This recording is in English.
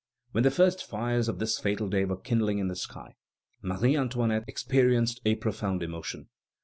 When the first fires of this fatal day were kindling in the sky, Marie Antoinette experienced a profound emotion.